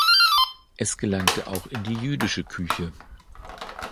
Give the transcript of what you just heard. Es gelangte auch in die jüdische Küche.